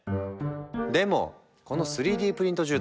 でもこの３Ｄプリント住宅